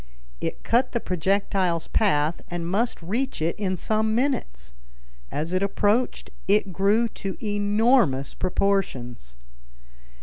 It cut the projectile's path and must reach it in some minutes. As it approached it grew to enormous proportions.